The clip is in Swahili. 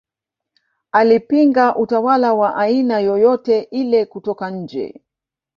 Alipinga utawala wa aina yoyote ile kutoka nje